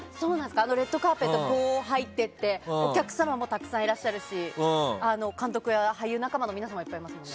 レッドカーペットに入って行ってお客様もたくさんいらっしゃるし監督や俳優仲間もいっぱいいるから。